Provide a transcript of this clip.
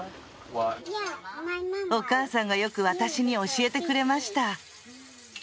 お母さんがよく私に教えてくれました。